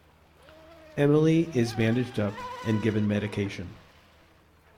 Emily is bandaged up and given medication.